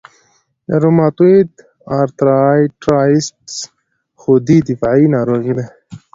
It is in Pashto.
د روماتویید ارترایټرایټس خودي دفاعي ناروغي ده.